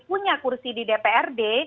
punya kursi di dprd